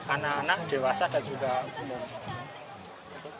anak anak dewasa dan juga gunung